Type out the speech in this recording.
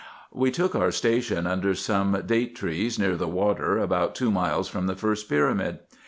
We took our station under some date trees near the water, about two miles from the first pyramid.